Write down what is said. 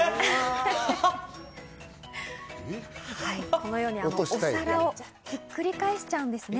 このようにお皿をひっくり返しちゃうんですね。